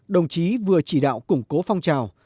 đồng chí vừa chỉ đạo củng cố phong trào